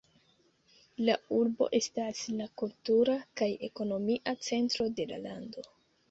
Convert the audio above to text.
La urbo estas la kultura kaj ekonomia centro de la lando.